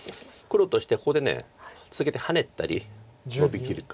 黒としてはここで続けてハネたりノビきるか。